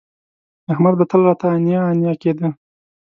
احمد به تل راته انیا انیا کېده